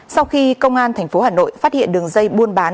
sau khi công an tp hà nội phát hiện đường dây buôn bán